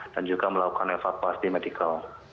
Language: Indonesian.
juga melakukan evakuasi medikal